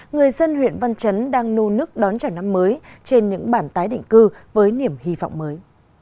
người dân huyện văn chấn đang nô nức đón trả năm mới trên những bản tái định cư với niềm hy vọng mới